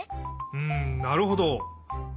うんなるほど！